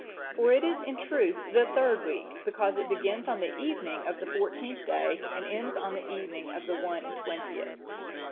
For it is in truth the third week, because it begins on the evening of the fourteenth day, and ends on the evening of the one and twentieth.